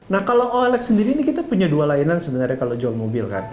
nah kalau oilx sendiri ini kita punya dua layanan sebenarnya kalau jual mobil kan